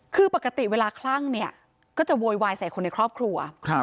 คือปกติเวลาคลั่งเนี่ยก็จะโวยวายใส่คนในครอบครัว